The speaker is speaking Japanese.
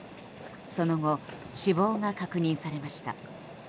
その後、死亡が確認されました。